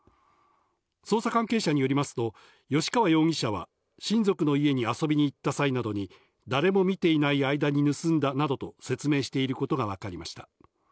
捜査関係者によりますと、吉川容疑者は、親族の家に遊びに行った際などに、誰も見ていない間に盗んだなどと説明していることがわかりました。